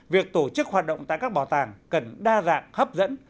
việc tổ chức hoạt động tại các bảo tàng cần đa dạng hấp dẫn